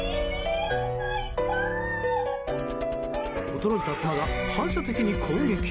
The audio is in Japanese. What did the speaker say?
驚いた妻が反射的に攻撃！